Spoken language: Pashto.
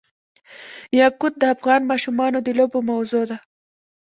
یاقوت د افغان ماشومانو د لوبو موضوع ده.